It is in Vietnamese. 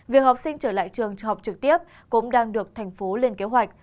việc học sinh trở lại trường học trực tiếp cũng đang được tp hcm lên kế hoạch